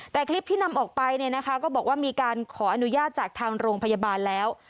แต่คลิปที่นำออกไปเนี่ยนะคะก็บอกว่ามีการขออนุญาตจากทางโรงพยาบาลแล้ว